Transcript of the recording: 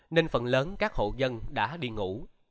nên phần lớn các hộ dân đã đi ngủ